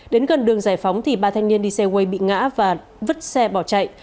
đến gần đường giải phóng ba thanh niên đi xe quay bị ngã và vứt xe bỏ chạy